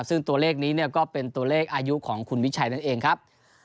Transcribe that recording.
ซึ่งตัวเลขนี้ก็เป็นตัวเลขอายุของคุณวิชัยนั่นเองครับ